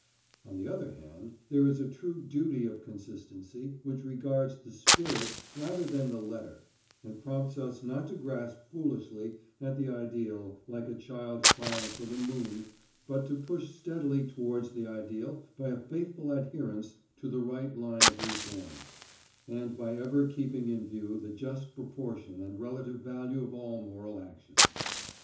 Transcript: On the other hand, there is a true duty of consistency, which regards the spirit rather than the letter, and prompts us not to grasp foolishly at the ideal, like a child crying for the moon, but to push steadily towards the ideal by a faithful adherence to the right line of reform, and by ever keeping in view the just proportion and relative value of all moral actions.